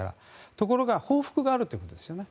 ところが報復があるということですね。